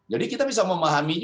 jadi kita bisa memahami